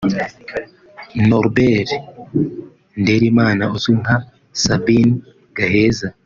Norbert Ndererimana uzwi nka Sabin Gaheza